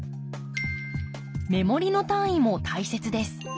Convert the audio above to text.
目盛りの単位も大切です。